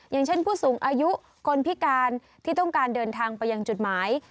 อย่างเช่นผู้สูงอายุคนพิการที่ต้องการเดินทางไปยังจุดหมาย